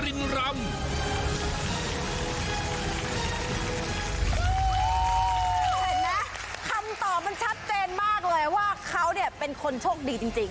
เห็นไหมคำตอบมันชัดเจนมากเลยว่าเขาเนี่ยเป็นคนโชคดีจริง